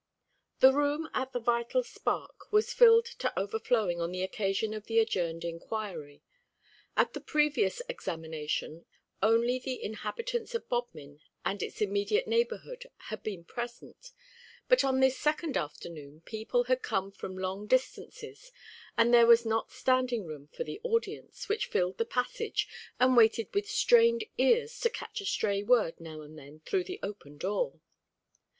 The room at the Vital Spark was filled to overflowing on the occasion of the adjourned inquiry. At the previous examination only the inhabitants of Bodmin and its immediate neighbourhood had been present; but on this second afternoon people had come from long distances, and there was not standing room for the audience, which filled the passage, and waited with strained ears to catch a stray word now and then through the open door.